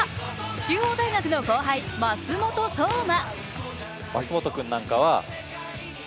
中央大学の後輩、舛本颯真。